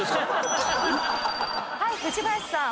はい藤林さん。